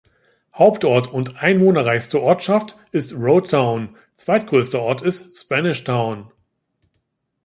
Hauptort und einwohnerreichste Ortschaft ist Road Town, zweitgrößter Ort ist Spanish Town.